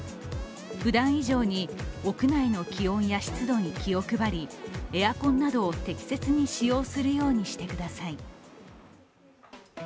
ふだん以上に屋内の気温や湿度に気を配りエアコンなどを適切に使用するようにしてください。